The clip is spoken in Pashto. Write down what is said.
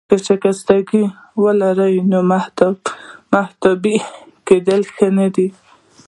که شکستګي ولرې، نو التهابي کیدل يې ښه نه دي.